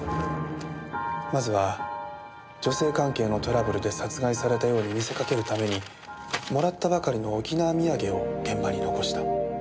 まずは女性関係のトラブルで殺害されたように見せかけるためにもらったばかりの沖縄土産を現場に残した。